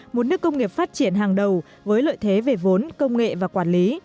một nước công nghiệp phát triển hàng đầu với lợi thế về vốn công nghệ và quản lý